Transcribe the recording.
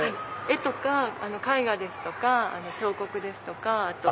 絵とか絵画ですとか彫刻ですとか。